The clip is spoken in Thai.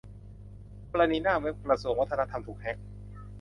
กรณีหน้าเว็บกระทรวงวัฒนธรรมถูกแฮ็ก